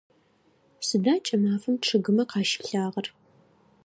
Сыда кӏымафэм чъыгымэ къащилъагъэр?